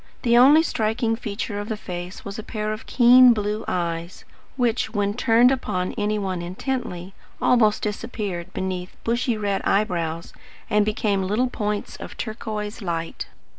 The only striking feature of the face was a pair of keen blue eyes, which, when turned upon any one intently, almost disappeared beneath bushy red eyebrows and became little points of turquoise light.